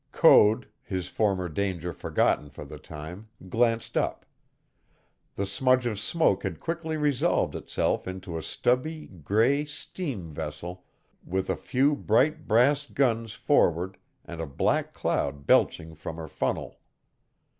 Code, his former danger forgotten for the time, glanced up. The smudge of smoke had quickly resolved itself into a stubby, gray steam vessel with a few bright brass guns forward and a black cloud belching from her funnel.